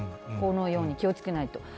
このように気をつけないと。